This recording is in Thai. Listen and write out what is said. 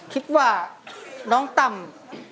คิดว่ายน้องต่ำ